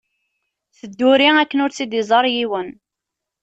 Tedduri akken ur tt-id-iẓer yiwen.